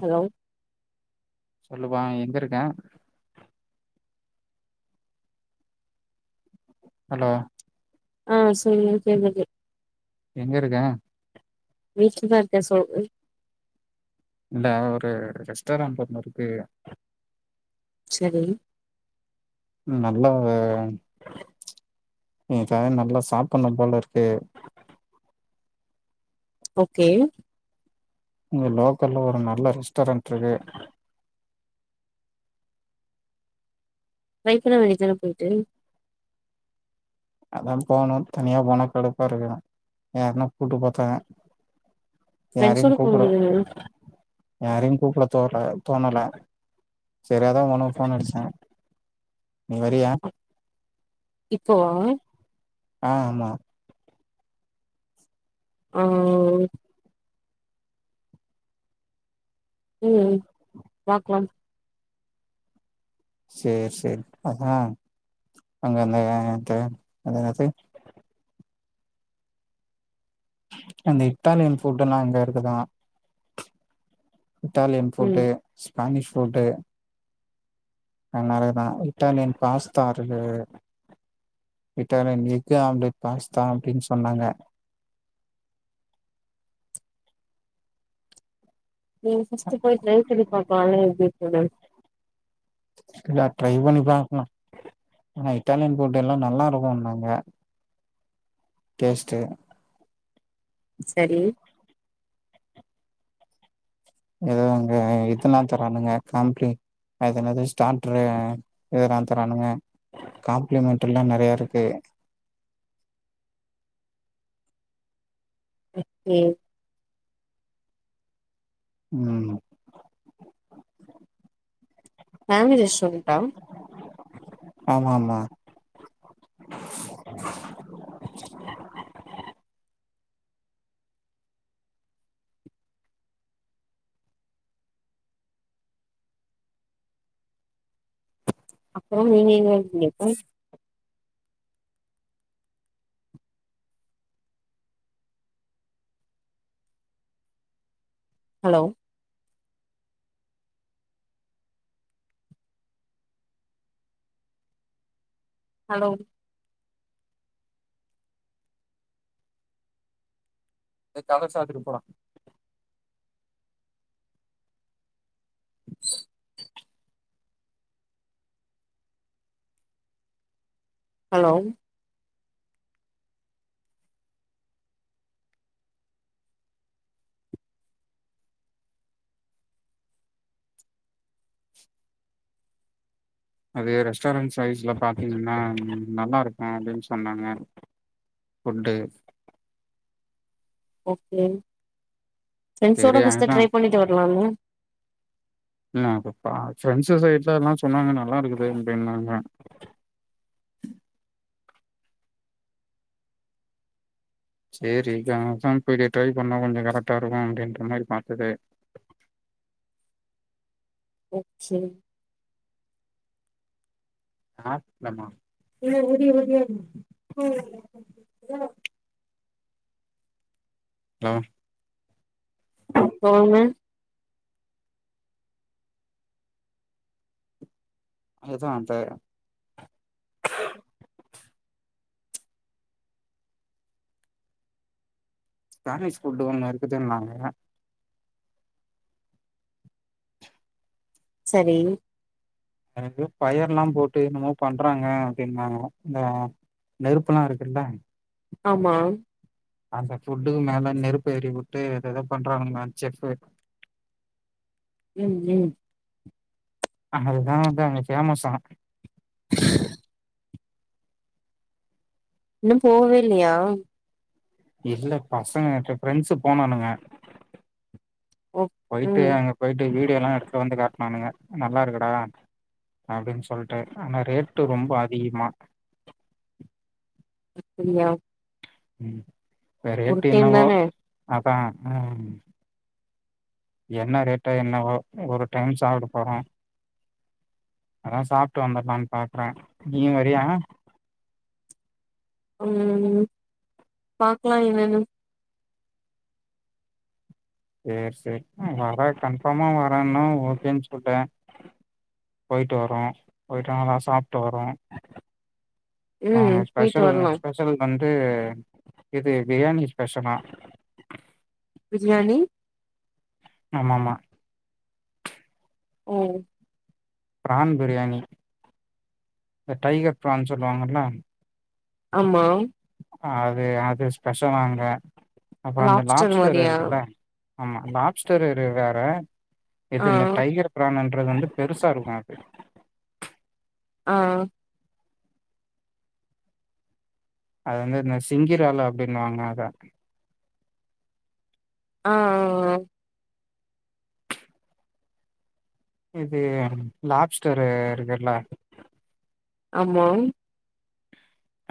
hello சொல்லுபா எங்க இருக்க ஹலோ ஆ சரிங்க கேக்குது எங்க இருக்க வீட்ல தா இருக்க சொல் இல்ல ஒரு ரெஸ்டாரண்ட் ஒண்ணு இருக்கு செரி நல்லா ஒரு எதா நல்லா சாப்பனு போல இருக்கு ஓகே இங்க லோக்கல்ல ஒரு நல்ல ரெஸ்டாரன்ட்ருக்கு வைப் பண்ண வேண்டிதான போயிட்டு அதா போணு தனியா போணா கடுப்பா இருக்கு யாரனா கூட்டு பாத்த யாரையு ஃப்ரெண்ட்ஸோட கூப்பிட போனீங்கல்ல யாரையு கூப்புட தோல தோணல செரி அதா உனக்கு ஃபோன் அடிச்ச நீ வறியா இப்போவா ஆ ஆமா அவ் ம் பாக்லா செரி செரி அதா அங்கந்த அ அதென்னாது அந்த இத்தாலியன் ஃபுட் எல்லா அங்க இருக்குதா இத்தாலியன் ம் ஃபுட்டு ஸ்பேனிஷ் ஃபுட்டு அத்னாலேயே தா இத்தாலியன் பாஸ்தா இருக்குது இட்டாலியன் எக்கு ஆம்லெட் பாஸ்தா அப்டின்னு சொன்னாங்க நீ ஃபஸ்ட்டு போயி ட்ரைவ் பண்ணி பாக்கலால எப்டி இருக்குனு இல்ல ட்ரை பண்ணி பாக்கலா ஆனா இத்தாலியன் ஃபுட் எல்லா நல்லா இருக்குனாங்க டேஷ்ட்டு சரி எதோ அங்க இதனா தரானுங்க [unintelligible] அது என்னது ஸ்டாட்ரு இதா தரானுங்க காம்ப்ளிமென்ட்ரில்லா நெறைய இருக்கு எ ஏ ம் ஃபேமிலி ரெஸ்டாரண்டா ஆமா ஆமா அப்புறோ நீங்க எங்க இருக்கீங்க இப்போ ஹலோ ஹலோ டே கட சாத்திட்டு போடா ஹலோ அது ரெஸ்டாரன்ட் சைஸ்ல பாத்தீங்கன்னா நல்லா இருக்கு அப்டின் சொன்னாங்க புஃட்டு ஓகே சரி ஃப்ரெண்ஸோட ஃபர்ஸ்டு அதா ட்ரை பண்ணிட்டு வர்லால ம் அது பா ப்ரெண்ட்ஸ் சைட்லலா சொன்னாங்க நல்லாருக்குது அப்டினாங்க [inaudible] சேரி [unintelligible] போய்ட்டு ட்ரை பண்ணா கொஞ்ச கரெக்டா இருக்கு அப்டின்ற மாரி பாத்தது [inaudible] அ செரி ஆப்லமா இன்னோ உதிய உதிய [inaudible] ஹலோ வாங்க அதுதா அந்த ஸ்பானிஷ் ஃபுட்டு ஒண்ணு இருக்குதுன்னாங்க சரி அது எதோ ஃபயர்ல்லா போட்டு என்னமோ பண்றாங்க அப்டின்னாங்க இந்த நெருப்புல்லா இருக்குல்ல ஆமா அந்த ஃபுட்டுக்கு மேல நெருப்பு எறிய வுட்டு ஏதேதோ பண்றாங்கனுங்க செஃபு [inaudible] ம் ம் அங்க அதுதா வந்து அங்க ஃபேமஸா [unintelligible] இன்னு போவே இல்லயா இல்ல பசங்க வன்ட்டு ப்ரெண்ட்ஸு போனானுங்க ஓ போயிட்டு ம் அங்க போயிட்டு வீடியோ எல்லா எடுத்து வந்துக் காட் னானுங்க நல்லா இருக்குடா அப்டின்னு சொல்ட்டே ஆனா ரேட்டு ரொம்ப அதிகமா இல்ல ம் இப்ப ரேட்டு என்னவோ அதா ம் என்ன ரேட்டோ என்னவோ ஒரு டைம் சாப்ட போறோ அதா சாப்ட்டு வந்துடலானு பாக்குறே நீயு வரியா ம் பாக்லா என்னன்னு சேர் சே வரே கன்ஃபார்மா வரேன்னா ஓகேன்னு சொல்டே போயிட்டு வரோ போயிட்டு நல்லா சாப்ட்டு வரோ ஆங்க ம் போயிட்டு ஸ்பெஷல் வ வரலா ஸ்பெஷல் வந்து இது பிரியாணி ஸ்பெஷலா [inaudible] பிரியாணி ஆமாமா ஆ பிரான் பிரியாணி இ டைகர் பிரான் சொல்லுவாங்கள்ல அமா அது அது ஸ்பெஷலா இங்க அப்புறோ அந்த லாப்ஸ்டர் இருக்குல்ல ஆமா லாப்ஸ்டர் ரு வேற இது ஆ இந்த டைகர் பிரான் என்றது வந்து பெருசா இருக்கு அப்டி ஆ அது வந்து இந்த சிங்கிரால அப்டின் வாங்க அதா ஆ ஆ ஆ இது லாப்ஸ்டரு இருக்குல்ல ஆமா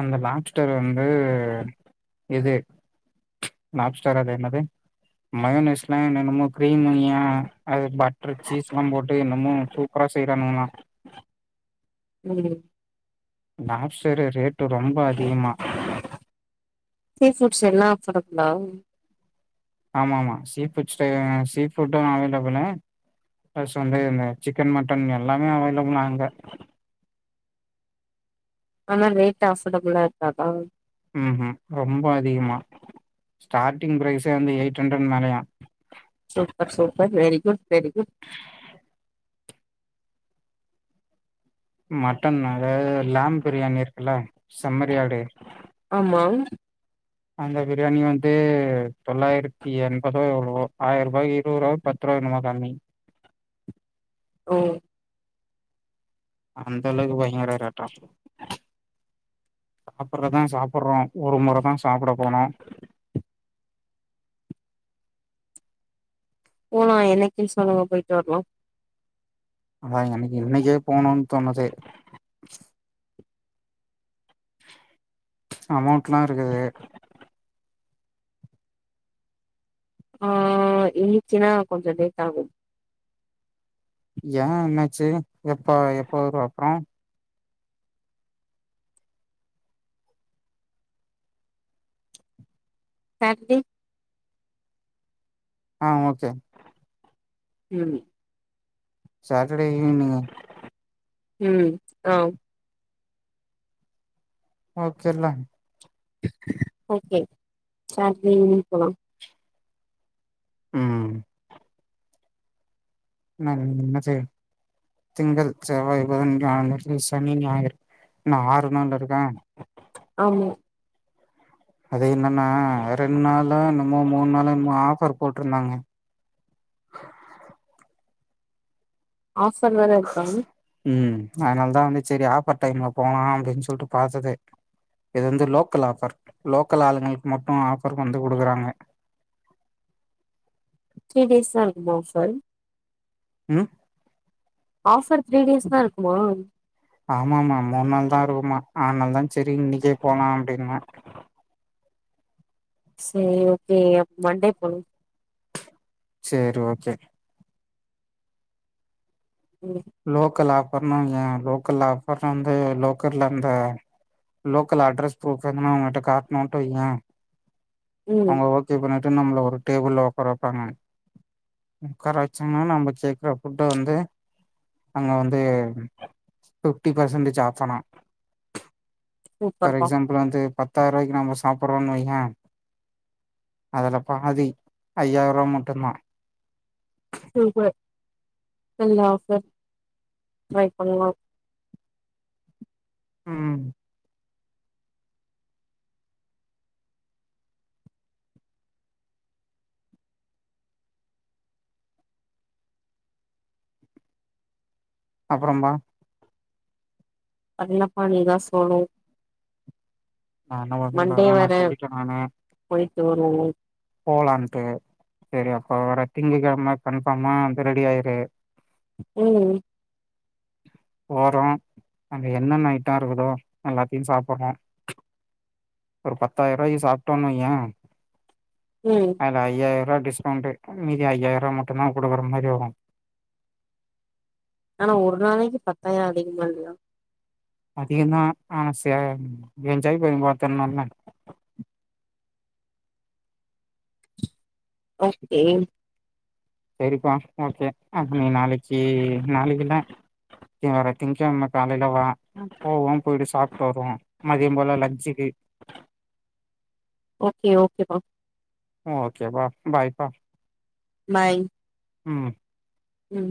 அந்த லாப்ஸ்டர் வந்து இது லாப்ஸ்டார் அது என்னது மயோனைஸ்லா என்னென்னமோக் கிரீம்முயா அது பட்டர் சீஸ்லாம் போட்டு என்னமோ சூப்பரா செய்ரானுங்களா ம் லாப்ஸ்டரு ரேட்டு ரொம்ப அதிகமா நாங் ஆமா ஆமா சீ ஃபுட் ஸ்டைல நா சீ ஃபுட் அவைலெபுலு ஃபஸ்ட் வந்து இந்த சிக்கன் மட்டன் எல்லாமே அவைலபுள் அங்க [inaudible] ஆனா ரேட்டு அஃபடபளா இருக்காதா ம் ம் ரொம்ப அதிகமா ஸ்டார்டிங் ப்ரைஸே வந்து எயிட்ஹண்ரட் மேலையா super super very good very good mutton அதாவது லேம் பிரியாணி இருக்குல்ல செம்மரியாடு மா அந்த பிரியாணி வந்து தொள்ளாயிரத்தி எண்பதோ எவ்ளவோ ஆயிரரூபாய்க்கி இருவது ரூவா பத்து ரூவா நொமா காம்மி ஓ அந்தளவுக்கு பயங்கர ரேட்டாப் சாப்புட்றதா சாப்புட்றோ ஒரு முறதா சாப்ட போனோ [inaudible] போலா, என்னைக்கின்னு சொல்லுங்க போயிட்டு வரலா அதா என்னைகு இன்னைக்கே போனுன் தோணுது அமௌண்ட்லா இருக்குது ஆ, இன்னைக்கினா கொஞ்சோ லேட் ஆகு ஏ என்னாச்சு எப்ப எப்ப வருவ அப்றோ சடர்டே ஆ ஓகே உம் சடர்டே ஈவ்னிங் ம் ஓ ஓகே [unintelligible] ஒகே [unintelligible] போலா ம் [unintelligible] திங்கள் செவ்வாய் புதன் வியா வெள்ளி சனி ஞாயிறு இன்னு ஆறு நாள் இருக்கா ஆமா அது என்னன்னா ரெண்டு நாள எனமோ மூணு நாள எனமோ ஆஃபர் போட்டிருந்தாங்க ஆஃபர் வேற இருக்காங்க ம் அதனால தான் வந்து சரி ஆஃபர் டைம்ல போனா அப்படின்னு சொல்லிட்டு பாத்ததே இது வந்து லோக்கல் ஆஃபர் லோக்கல் ஆளுங்களுக்கு மட்டும் ஆஃபர் கொந்து குடுக்குறாங்க த்ரீ டேஸ் தான்மா ஆஃபர் ம் ஆஃபர் த்ரீ டேஸ் தா இருக்குமா ஆமாமா மூணு நாள் தா இருக்கும்மா ஆநாள தான சரி இன்னைக்கே போலாம் அப்படின்ன செரி ஓகே மண்டே போனு சேரி ஓகே ம் லோக்கல் ஆஃபர்னா ஏ லோக்கல் ஆஃபர் வந்து லோக்கல்ல இருந்த லோக்கல் அட்ரஸ் புரூஃப் எதுனா அவங்கள்ட காட்ணோன்ட்டு வையே ம் அவங்க ஓகே பன்ன டு நம்மல ஒரு டேபிள்ல உக்காற வைப்பாங்க உக்கார வச்சங்கன்னா நம்ம கே்குற ஃபுட்ட வந்து அங்க வந்து ஃபிஃப்டி பெர்சன்ட்டேஜ் ஆஃபரா பார் சூப்பர்ப்பா எக்ஸாம்பிள் வந்து பத்தாரூவாக்கு நம்ம சாப்றோ வைங்க அதுல பாதி ஐயாயிரூபா மட்டு்தா சூப்பர் நல்ல ஆஃபர் ட்ரை பண்லாம் ம் அப்றோபா அது இல்லப்பா நீதா சொல்ணு நா என்ன பன்றத அதா நா சொல்லிட்டே நானு சேரி ஓக் போலான்ட்டு செரி அப்ப வர திங்க கிழம கன்ஃபாமா வந்த ரெடியா இரு ம் போறோ அங்க என்னென்ன ஐட்டோ இருக்குதோ எல்லாத்தையு சாப்டுறோ ஒரு பத்தாரூவாய்க்கி சாப்டோன்னு வையே ம் அத ஐய்யாருவா டிஸ்கவுண்டு மீதி ஐய்யாயிரம் மட்டுதா குடுக்குற மாரி வரு ஆனா ஒரு நாளைக்கு பத்தாயிர அதிகமா இல்லயா அதிகந்தா ஆன சே என்ஞ்சாய் பண்ணி பாத்ரலால ஓகே செரிப்பா ஓகே அப்ப நீ நாளைக்கி நாளைக்கில்ல வர திங்கட்கிழம காலைல வா போவா போயிட்டு சாப்டு வருவோ மதியம் போல லஞ்சுக்கு ஓகே ஓகே பா ஓகேப்பா பாய் பா பாய் ம் ம்